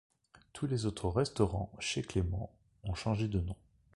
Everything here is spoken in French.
Tous les autres restaurants Chez Clément ont changé de nom.